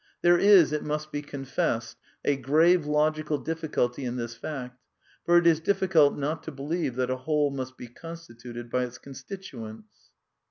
There is, it must be confessed, a grave logical difficulty in this fact, for it is difficult not to believe that a whole must be constituted by its constituents."